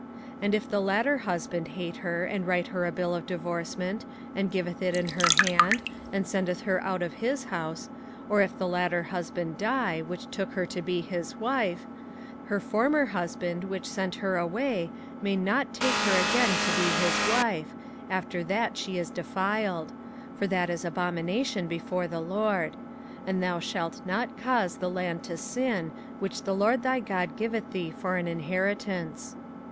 05:024:003 And if the latter husband hate her, and write her a bill of divorcement, and giveth it in her hand, and sendeth her out of his house; or if the latter husband die, which took her to be his wife; 05:024:004 Her former husband, which sent her away, may not take her again to be his wife, after that she is defiled; for that is abomination before the LORD: and thou shalt not cause the land to sin, which the LORD thy God giveth thee for an inheritance.